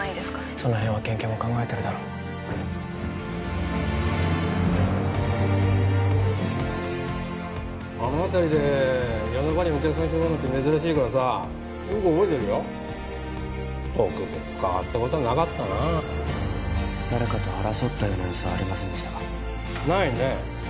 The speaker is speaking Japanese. その辺は県警も考えてるだろ行くぞあの辺りで夜中にお客さん拾うのって珍しいからさよく覚えてるよ特別変わったことはなかったな誰かと争ったような様子はありませんでしたかないね